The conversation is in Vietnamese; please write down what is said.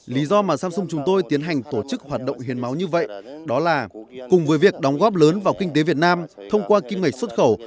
lý do mà samsung chúng tôi tiến hành tổ chức hoạt động hiến máu như vậy đó là cùng với việc đóng góp lớn vào kinh tế việt nam thông qua kim ngạch xuất khẩu